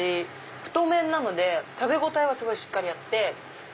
太麺なので食べ応えはしっかりあって。